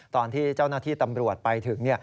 ตอนที่เจ้าหน้าที่ตำรวจไปถึง